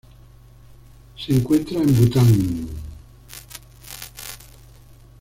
Se encuentra en Bután.